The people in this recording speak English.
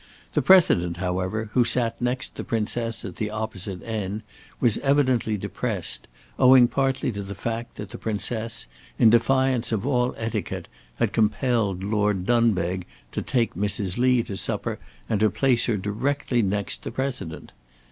The President, however, who sat next the Princess at the opposite end, was evidently depressed, owing partly to the fact that the Princess, in defiance of all etiquette, had compelled Lord Dunbeg to take Mrs. Lee to supper and to place her directly next the President.